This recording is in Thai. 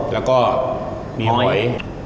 แล้วก็มีหอย